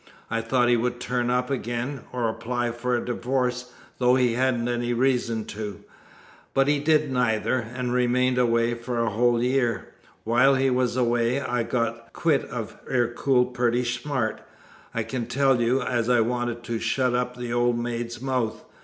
I thought he would turn up again, or apply for a divorce, though he hadn't any reason to. But he did neither, and remained away for a whole year. While he was away I got quit of Ercole pretty smart, I can tell you, as I wanted to shut up that old maid's mouth.